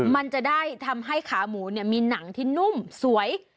มันจะได้ทำให้ขาหมูมีหนังที่นุ่มสวย